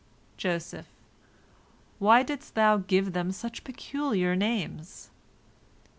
Joseph: "Why didst thou give them such peculiar names?"